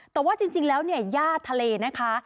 แต่ว่าจริงแล้วเนี่ยย่าทะเลนะคะ